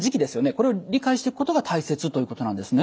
これを理解していくことが大切ということなんですね。